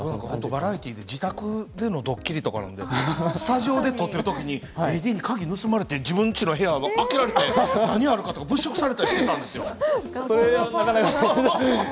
バラエティーで自宅でのドッキリとかスタジオで撮ってる時にＡＤに鍵を盗まれて自分のうち開けられて何があるか物色されたことがあります。